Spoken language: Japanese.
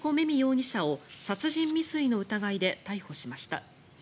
実容疑者を殺人未遂の疑いで逮捕しました。